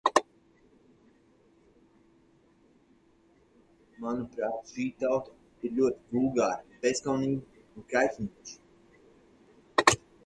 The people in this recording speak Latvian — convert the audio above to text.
Manuprāt, šī tauta ir ļoti vulgāra, bezkaunīga un kaitinoša.